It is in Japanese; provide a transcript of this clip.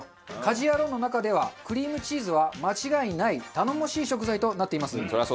『家事ヤロウ！！！』の中ではクリームチーズは間違いない頼もしい食材となっています。